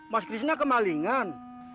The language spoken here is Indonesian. mas krishna kemalingan